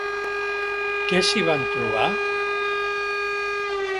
Què s'hi van trobar?